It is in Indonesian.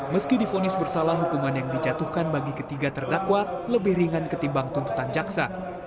meski difonis bersalah hukuman yang dijatuhkan bagi ketiga terdakwa lebih ringan ketimbang tuntutan jaksa